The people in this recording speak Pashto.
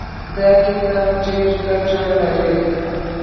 دا کتاب ډېره ګټه لري.